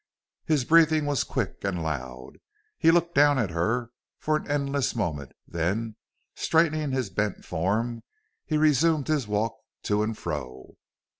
His breathing was quick and loud. He looked down at her for an endless moment, then, straightening his bent form, he resumed his walk to and fro.